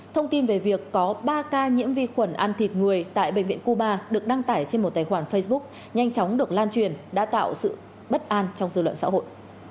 thông tin về việc có ba ca nhiễm vi khuẩn ăn thịt người tại bệnh viện cuba được đăng tải trên một tài khoản facebook nhanh chóng được lan truyền đã tạo sự bất an trong dự luận xã hội